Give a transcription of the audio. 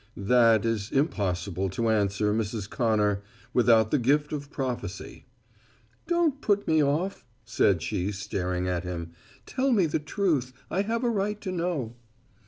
"That is impossible to answer, Mrs. Connor, without the gift of prophecy." "Don't put me off," said she staring at him, "tell me the truth. I have a right to know."